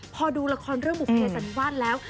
พอดูละครเรื่องบุภเพสันนิวาสแล้ว